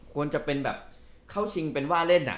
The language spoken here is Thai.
ควรจะเป็นแบบเข้าชิงเป็นว่าเล่น